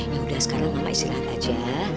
yaudah sekarang mama istilahkan aja